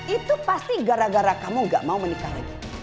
itu pasti gara gara kamu gak mau menikah lagi